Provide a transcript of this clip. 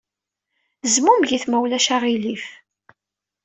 Zmumget, ma ulac aɣilif.